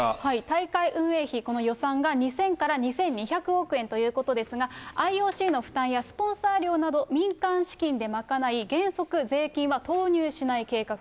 大会運営費、この予算が２０００から２２００億円ということですが、ＩＯＣの負担やスポンサー料など民間資金で賄い、原則、税金は投入しない計画。